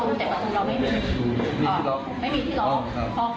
ตอนแรกผมก็ไม่คิดว่าจะเป็นพอพอ